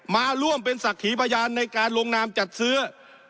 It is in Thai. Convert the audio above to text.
มาร่วมเป็นศักดิ์ขีพยานในการลงนามจัดซื้อ